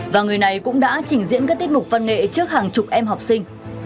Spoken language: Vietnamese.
và người này cũng đã trình diễn các tiết mục văn nghệ trước hàng chục em học sinh